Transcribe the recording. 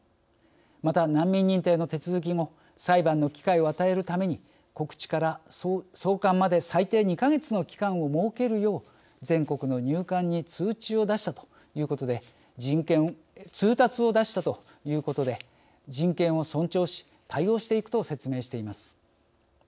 また、難民認定の手続き後裁判の機会を与えるために告知から送還まで最低２か月の期間を設けるよう全国の入管に通達を出したということで人権を尊重し対応していくと説明しています。